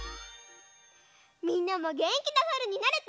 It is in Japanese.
みんなもげんきなさるになれた？